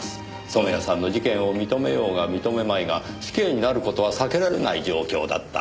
染谷さんの事件を認めようが認めまいが死刑になる事は避けられない状況だった。